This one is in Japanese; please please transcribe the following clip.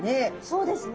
そうですね。